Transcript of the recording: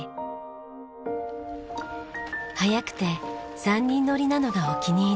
速くて３人乗りなのがお気に入り。